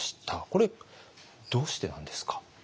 これどうしてなんですか？